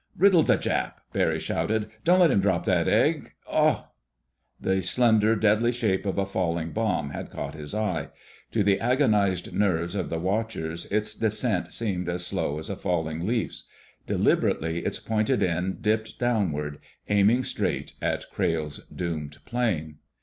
"Riddle the Jap!" Barry shouted. "Don't let him drop that egg—Oh h h!" The slender, deadly shape of a falling bomb had caught his eye. To the agonized nerves of the watchers its descent seemed as slow as a falling leaf's. Deliberately its pointed end dipped downward, aiming straight at Crayle's doomed plane.